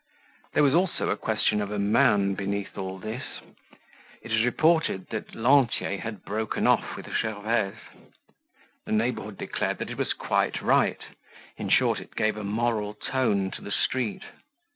There was also a question of a man beneath all this. It was reported that Lantier had broken off with Gervaise. The neighborhood declared that it was quite right. In short, it gave a moral tone to the street.